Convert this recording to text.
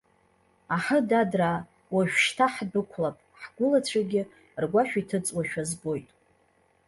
Аҳы, дадраа, уажәшьҭа ҳдәықәлап, ҳгәылацәагьы ргәашә иҭыҵуашәа збоит!